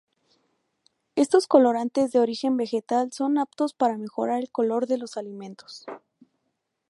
Estos colorantes de origen vegetal son aptos para mejorar el color de los alimentos.